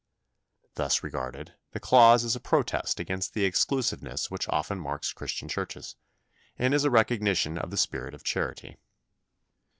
Thus regarded, the clause is a protest against the exclusiveness which often marks Christian churches, and is a recognition of the spirit of charity.